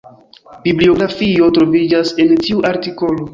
Bibliografio troviĝas en tiu artikolo.